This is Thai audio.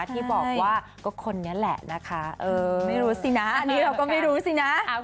ที่บอกว่าก็คนนี้แหละนะคะเออไม่รู้สินะอันนี้เราก็ไม่รู้สินะ